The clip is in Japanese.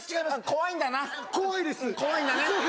怖いんだね